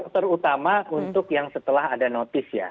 terutama untuk yang setelah ada notice ya